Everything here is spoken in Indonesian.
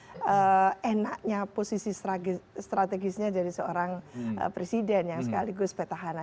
karena enaknya posisi strategisnya dari seorang presiden yang sekaligus petahana